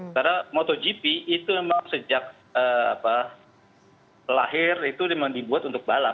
karena motogp itu memang sejak lahir itu memang dibuat untuk balap